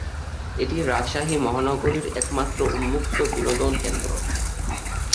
এটি রাজশাহী মহানগরীর একমাত্র উন্মুক্ত বিনোদন কেন্দ্র।